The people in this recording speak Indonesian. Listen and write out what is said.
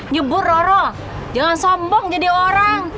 nyebur roro jangan sombong jadi orang